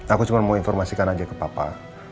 aku cuma mau informasikan aja ke papa